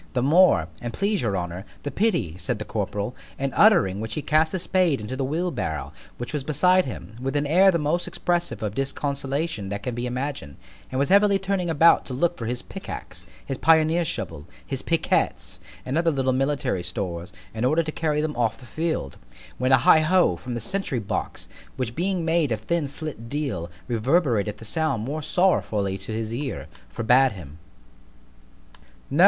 The more, an' please your honour, the pity, said the corporal; in uttering which he cast his spade into the wheel barrow, which was beside him, with an air the most expressive of disconsolation that can be imagined, and was heavily turning about to look for his pickax, his pioneer's shovel, his picquets, and other little military stores, in order to carry them off the field——when a heigh ho! from the sentry box, which being made of thin slit deal, reverberated the sound more sorrowfully to his ear, forbad him.